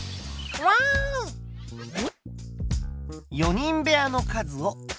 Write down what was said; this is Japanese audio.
４人部屋の数を。